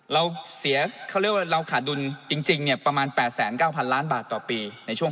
เราเสียเขาเรียกว่าเราขาดดุลจริงเนี่ยประมาณ๘๙๐๐ล้านบาทต่อปีในช่วง